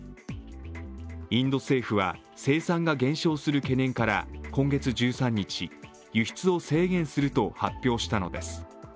インド政府は、生産が減少する懸念から今月１３日、輸出を制限すると発表したのです。